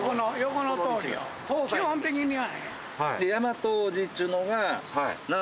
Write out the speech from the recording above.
基本的にはね。